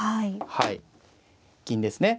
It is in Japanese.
はい銀ですね。